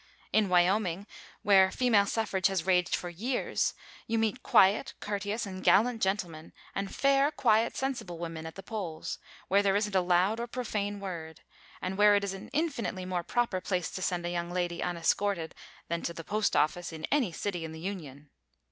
In Wyoming, where female suffrage has raged for years, you meet quiet, courteous and gallant gentlemen, and fair, quiet, sensible women at the polls, where there isn't a loud or profane word, and where it is an infinitely more proper place to send a young lady unescorted than to the postoffice in any city in the Union.